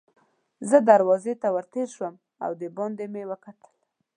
زه دروازې ته ور تېر شوم او دباندې مې وکتل.